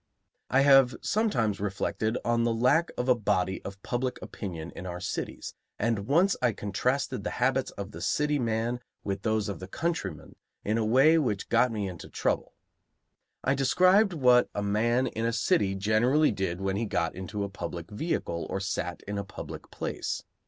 I have sometimes reflected on the lack of a body of public opinion in our cities, and once I contrasted the habits of the city man with those of the countryman in a way which got me into trouble. I described what a man in a city generally did when he got into a public vehicle or sat in a public place.